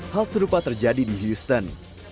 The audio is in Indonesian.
hal serupa terjadi di houston